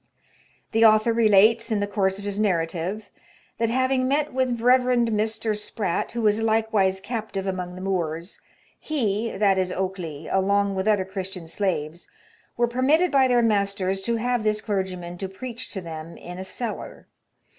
The author relates, in the course of his narrative, that having met with a Rev. Mr. Sprat, who was likewise captive among the Moors, he — that is Okeley — along with other Chris tian slaves, were permitted by their masters to have this clergyman to preach to them in a cellar.